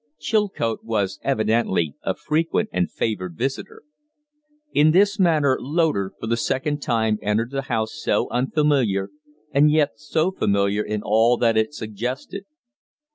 Chilcote was evidently a frequent and a favored visitor. In this manner Loder for the second time entered the house so unfamiliar and yet so familiar in all that it suggested.